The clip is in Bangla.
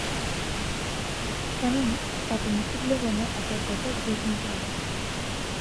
কেননা, তাতে মুসল্লীগণের একাগ্রতা বিঘ্নিত হবে।